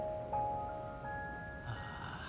ああ。